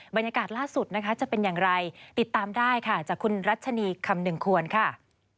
บรรยากาศล่าสุดนะคะจะเป็นอย่างไรติดตามได้ค่ะจากคุณรัชนีคำหนึ่งควรค่ะ